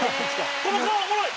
「この顔おもろい！」